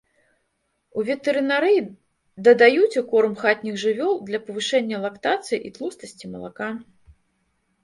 У ветэрынарыі дадаюць у корм хатніх жывёл для павышэння лактацыі і тлустасці малака.